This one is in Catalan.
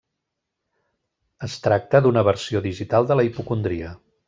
Es tracta d'una versió digital de la hipocondria.